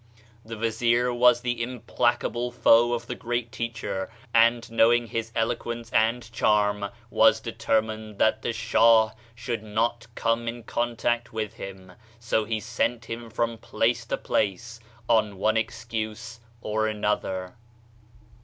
The Vizier was the implacable foe of the great teacher, and knowing his eloquence and charm was deter mined that the Shah should not come in con tact with him, so he sent him from place to place on one excuse or another.